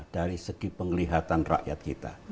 dari segi penglihatan rakyat kita